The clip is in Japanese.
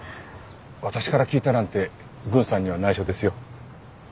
私から聞いたなんて郡さんには内緒ですよ。